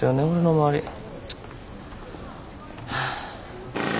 俺の周り。